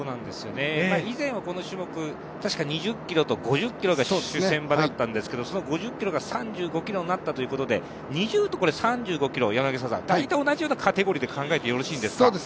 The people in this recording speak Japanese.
以前はこの種目、確か２０ｋｍと５０ｋｍが主戦場だったんですけどその５０ｋｍが３５ｋｍになったということで、２０と３５ｋｍ大体、同じようなカテゴリで考えていいんですか？